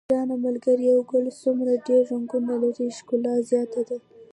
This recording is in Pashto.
ګرانه ملګریه یو ګل څومره ډېر رنګونه لري ښکلا زیاته ده.